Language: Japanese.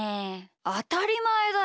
あたりまえだよ。